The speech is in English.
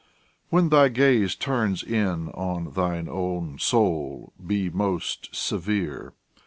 When thy gaze Turns in on thine own soul, be most severe.